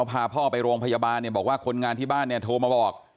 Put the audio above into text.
พอพาพ่อไปโรงพยาบาลบอกว่าคนงานที่บ้านโทรมาบอก